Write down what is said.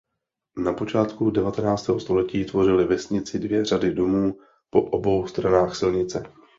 Na počátku devatenáctého století tvořily vesnici dvě řady domů po obou stranách silnice.